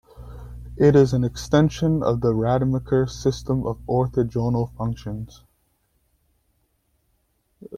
It is an extension of the Rademacher system of orthogonal functions.